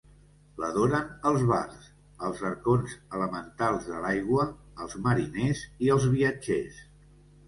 L'adoren els bards, els arconts elementals de l'aigua, els mariners i els viatgers.